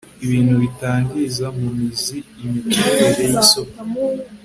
ibintu bitangiza mu mizi imiterere y'isoko